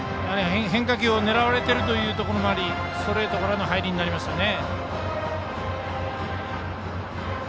変化球を狙われているということもありストレートからの入りになりましたね。